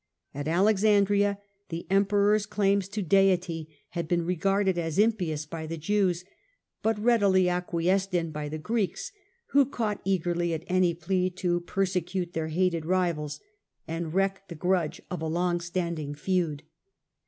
At Alexandria the Emperor's claims to deity had been regarded as impious by the Jews, but 'readily acquiesced in by the Greeks, who caught eagerly at any plea to persecute their hated rivals, and wreak the A.D. 37 41. 77 Caligula. grudge of a long standing feud.